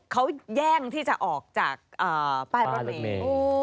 เขาแย่งที่จะออกจากป้ายรถเมย์